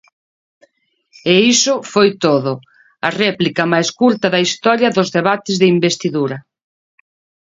E iso foi todo, a réplica máis curta da historia dos debates de investidura.